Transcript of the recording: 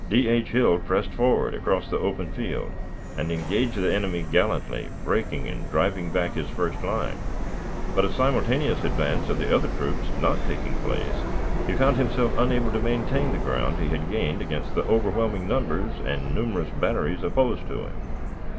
D. H. Hill pressed forward across the open field, and engaged the enemy gallantly, breaking and driving back his first line; but, a simultaneous advance of the other troops not taking place, he found himself unable to maintain the ground he had gained against the overwhelming numbers and numerous batteries opposed to him.